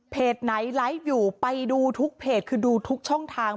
ไหนไลฟ์อยู่ไปดูทุกเพจคือดูทุกช่องทาง